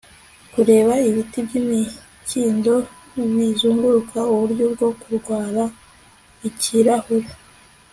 kureba ibiti by'imikindo bizunguruka uburyo bwo kurwara ikirahure